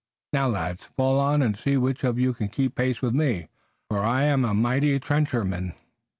Now, lads, fall on and see which of you can keep pace with me, for I am a mighty trencherman."